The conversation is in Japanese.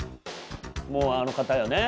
もうあの方よね？